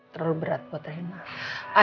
terlalu berat buat rena